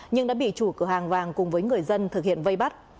nhưng đã bị chủ cửa hàng vàng cùng với người dân thực hiện vây bắt